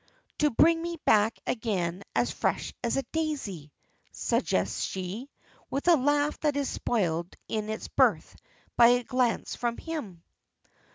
"To bring me back again as fresh as a daisy," suggests she, with a laugh that is spoiled in its birth by a glance from him.